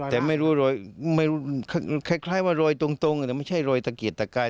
แต่ไม่รู้รอยคล้ายว่ารอยตรงแต่ไม่ใช่รอยตะเกียดตะกาย